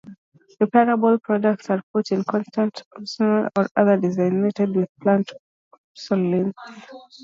Repairable products are put in contrast to obsolescence or products designed with planned obsolescence.